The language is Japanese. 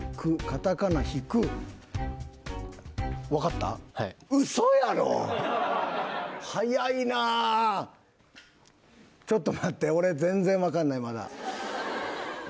カタカナ「ヒク」ちょっと待って俺、全然分かんない、まだ。